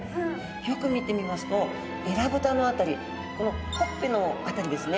よく見てみますとえらぶたの辺りこのほっぺの辺りですね。